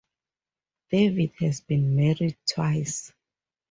David has been married twice.